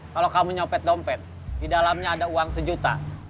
kalau kamu nyopet dompet di dalamnya ada uang sejuta